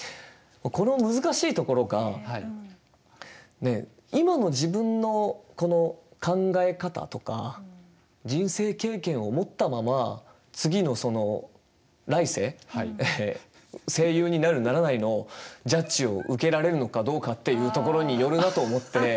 この難しいところが今の自分のこの考え方とか人生経験を持ったまま次のその来世声優になるならないのジャッジを受けられるのかどうかっていうところによるなと思って。